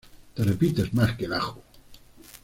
Te repites más que el ajo